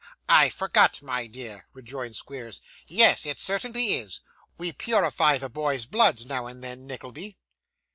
'I forgot, my dear,' rejoined Squeers; 'yes, it certainly is. We purify the boys' bloods now and then, Nickleby.